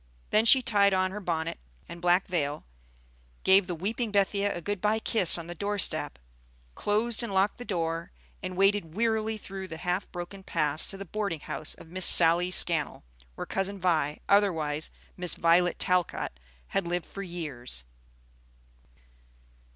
Then she tied on her bonnet and black veil, gave the weeping Bethia a good by kiss on the door step, closed and locked the door, and waded wearily through the half broken paths to the boarding house of Miss Sally Scannell, where Cousin Vi, otherwise Miss Violet Talcott, had lived for years.